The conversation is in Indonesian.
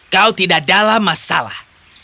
kau tidak dalam masalah